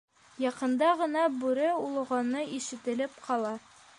Яҡында ғына бүре олоғаны ишетелеп ҡала.